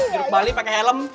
jodoh bali pakai helm